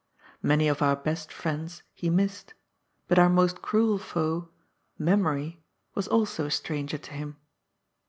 Many of our best friends he missed ; but our most cruel foe — memory — was also a stranger to him.